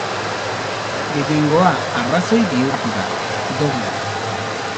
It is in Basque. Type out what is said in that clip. Gehiengoa arrazoi bihurtu da, dogma.